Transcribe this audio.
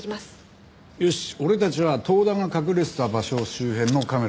よし俺たちは遠田が隠れてた場所周辺のカメラあたるぞ。